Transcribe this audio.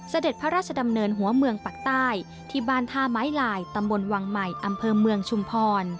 เสด็จพระราชดำเนินหัวเมืองปักใต้ที่บ้านท่าไม้ลายตำบลวังใหม่อำเภอเมืองชุมพร